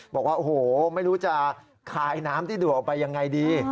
บอกว่าโอ้โหไม่รู้จะคายน้ำที่ดัวออกไปยังไงดี